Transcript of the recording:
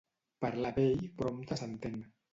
Parlar vell prompte s'entén.